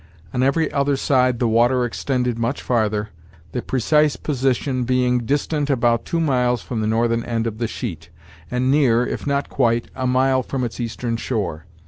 On every other side the water extended much farther, the precise position being distant about two miles from the northern end of the sheet, and near, if not quite, a mile from its eastern shore.